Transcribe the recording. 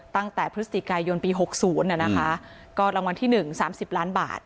ตั้งแต่พฤศจิกายนปี๖๐นะคะก็รางวัลที่๑๓๐ล้านบาท